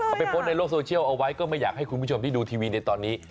ไปโพสต์ในโลกโซเชียลเอาไว้ก็ไม่อยากให้คุณผู้ชมที่ดูทีวีในตอนนี้